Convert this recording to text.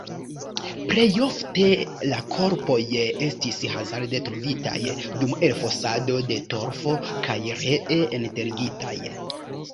Plej ofte la korpoj estis hazarde trovitaj dum elfosado de torfo kaj ree enterigitaj.